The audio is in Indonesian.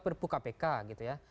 perpuka pk gitu ya